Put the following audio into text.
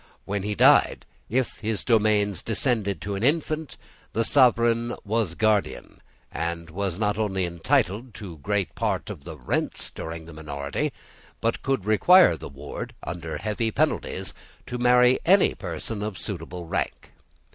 When he died, if his domains descended to an infant, the sovereign was guardian, and was not only entitled to great part of the rents during the minority, but could require the ward, under heavy penalties, to marry any person of suitable rank.